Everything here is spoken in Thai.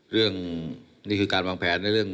เรื่องนี่คือการวางแผนในเรื่อง